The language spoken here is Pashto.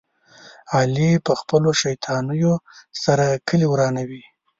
علي په خپلو شیطانیو سره کلي ورانوي.